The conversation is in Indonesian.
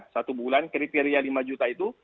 satu bulan kriteria lima juta itu